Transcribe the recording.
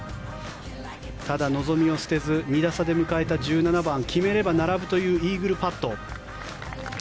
ただ望みを捨てず２打差で迎えた１７番決めれば並ぶというイーグルパット。